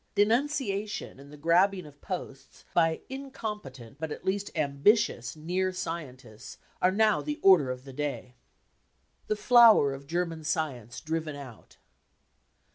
Denunciation and the grabbing of posts by incompetent but at least ambitious " near scientists 55 are now the order of the day. The Flower of German Science Driven Out.